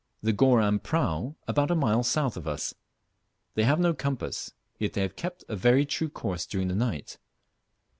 The Goram prau about a mile south of us. They have no compass, yet they have kept a very true course during the night.